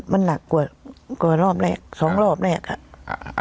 มันหนักกว่ารอบแรกสองรอบแรกอ่ะ